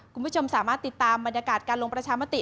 คุณผู้ชมสามารถติดตามบรรยากาศการลงประชามติ